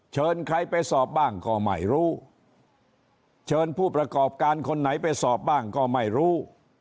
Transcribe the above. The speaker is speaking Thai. เชิญใครไปสอบบ้างก็ไม่รู้เชิญผู้ประกอบการคนไหนไปสอบบ้างก็ไม่รู้